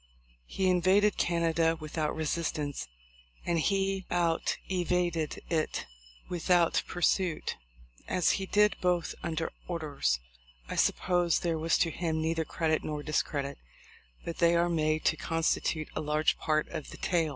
He invaded Canada without resistance, and he outvaded it without pursuit. As he did both under orders, I suppose there was to him neither credit nor discredit; but they are made to constitute a large part of the tail.